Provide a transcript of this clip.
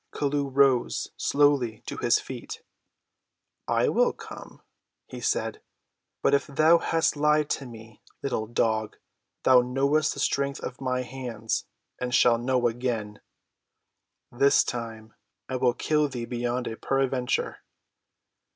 Chelluh rose slowly to his feet. "I will come," he said; "but if thou hast lied to me, little dog, thou knowest the strength of my hands, and shalt know again. This time I will kill thee beyond a peradventure."